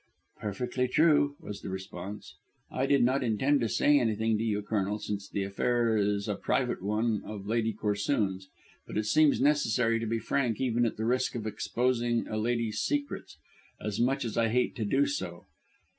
"Perfectly true," was the response. "I did not intend to say anything to you, Colonel, since the affair is a private one of Lady Corsoon's. But it seems necessary to be frank even at the risk of exposing a lady's secrets, much as I hate to do so.